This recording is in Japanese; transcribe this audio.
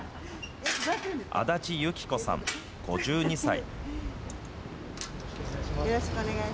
足立由紀子さん５２歳。